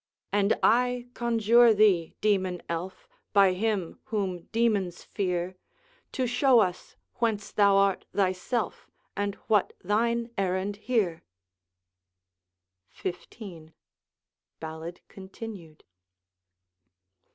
'And I conjure thee, demon elf, By Him whom demons fear, To show us whence thou art thyself, And what thine errand here?' XV. Ballad Continued.